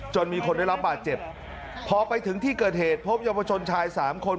มีคนได้รับบาดเจ็บพอไปถึงที่เกิดเหตุพบเยาวชนชายสามคน